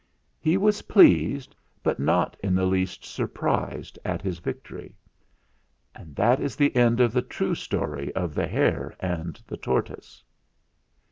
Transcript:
He was pleased, but not in the least surprised at his victory. And that is the end of the true story of the Hare and the Tortoise."